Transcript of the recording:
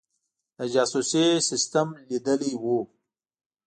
د جاسوسي سسټم لیدلی وو.